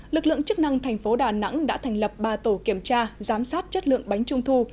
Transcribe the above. lực lượng chức năng thành phố đà nẵng đã thành lập ba tổ kiểm tra giám sát chất lượng bánh trung thu